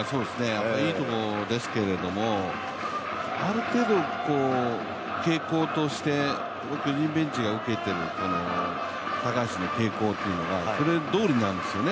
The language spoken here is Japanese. いいところですけれども、ある程度傾向として、ベンチが受けている高橋の傾向っていうのはそれどおりなんですよね。